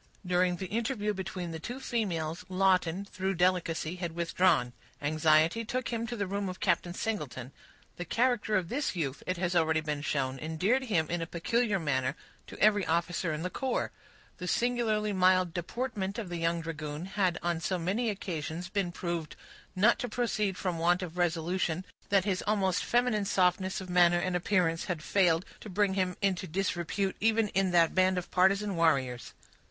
During the interview between the two females, Lawton, through delicacy, had withdrawn. Anxiety took him to the room of Captain Singleton. The character of this youth, it has already been shown, endeared him in a peculiar manner to every officer in the corps. The singularly mild deportment of the young dragoon had on so many occasions been proved not to proceed from want of resolution that his almost feminine softness of manner and appearance had failed to bring him into disrepute, even in that band of partisan warriors.